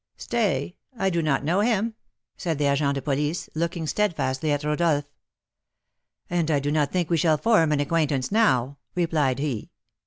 "Stay, I do not know him," said the agent de police, looking steadfastly at Rodolph. "And I do not think we shall form an acquaintance now," replied he.